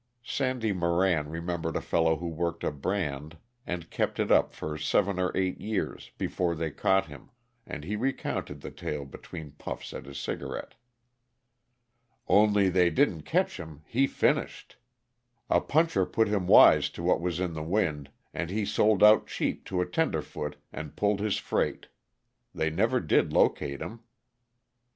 Sandy Moran remembered a fellow who worked a brand and kept it up for seven or eight years before they caught him, and he recounted the tale between puffs at his cigarette. "Only they didn't catch him" he finished. "A puncher put him wise to what was in the wind, and he sold out cheap to a tenderfoot and pulled his freight. They never did locate him."